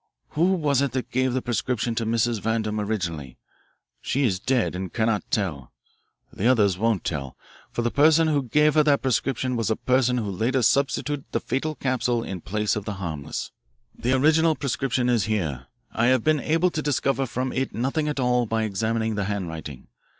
"Who was it that gave the prescription to Mrs. Vandam originally? She is dead and cannot tell. The others won't tell, for the person who gave her that prescription was the person who later substituted the fatal capsule in place of the harmless. The original prescription is here. I have been able to discover from it nothing at all by examining the handwriting.